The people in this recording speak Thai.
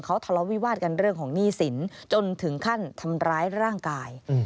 เขาทะเลาวิวาสกันเรื่องของหนี้สินจนถึงขั้นทำร้ายร่างกาย